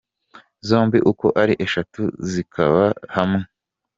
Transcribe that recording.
Zombi uko ari eshatu zikaba hamwe.